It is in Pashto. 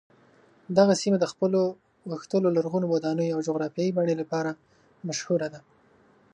دغه سیمه د خپلو غښتلو لرغونو ودانیو او جغرافیايي بڼې لپاره مشهوره ده.